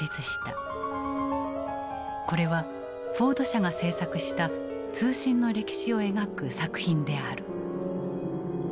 これはフォード社が製作した通信の歴史を描く作品である。